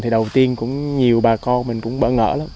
thì đầu tiên cũng nhiều bà con mình cũng bỡ ngỡ lắm